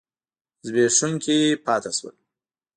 زبېښونکي پاتې شول.